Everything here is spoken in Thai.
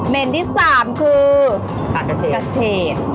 เหม็นที่๓คือกระเชด